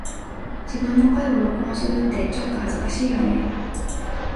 自分の声を録音するってちょっと恥ずかしいよね🫣